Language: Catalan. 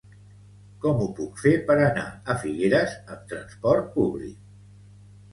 Com ho puc fer per anar a Figueres amb trasport públic?